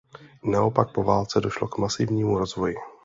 Naopak po válce došlo k masivnímu rozvoji.